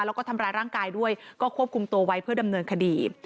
แล้วก็ทำร้ายร่างกายด้วยก็ควบคุมตัวไว้เพื่อดำเนินคดี